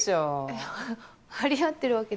いや張り合ってるわけでは。